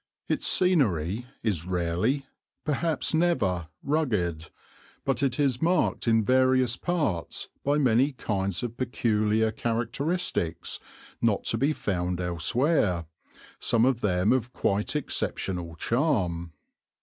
Its scenery is rarely, perhaps never, rugged, but it is marked in various parts by many kinds of peculiar characteristics not to be found elsewhere, some of them of quite exceptional charm.